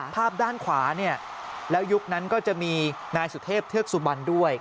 ภาพด้านขวาเนี่ยแล้วยุคนั้นก็จะมีนายสุเทพเทือกสุบันด้วย